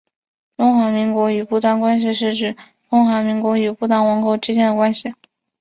中华民国与不丹关系是指中华民国与不丹王国之间的关系。